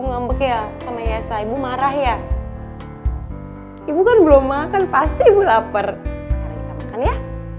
ngambek ya sama yasa ibu marah ya ibu kan belum makan pasti laper ya